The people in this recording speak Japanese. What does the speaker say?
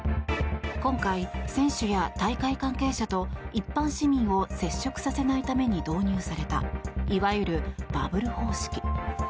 今回、選手や大会関係者と一般市民を接触させないために導入されたいわゆるバブル方式。